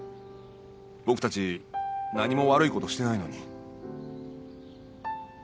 僕たち何も悪いことしてないのに。